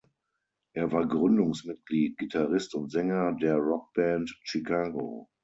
Er war Gründungsmitglied, Gitarrist und Sänger der Rockband Chicago.